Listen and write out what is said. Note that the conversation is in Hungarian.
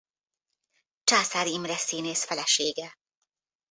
Császár Imre színész felesége.